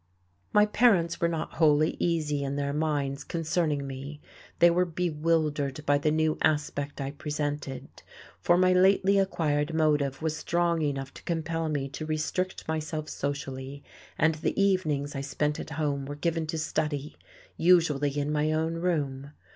My parents were not wholly easy in their minds concerning me; they were bewildered by the new aspect I presented. For my lately acquired motive was strong enough to compel me to restrict myself socially, and the evenings I spent at home were given to study, usually in my own room.